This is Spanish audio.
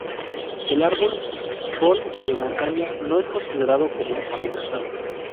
El árbol col de montaña no es considerado como amenazado.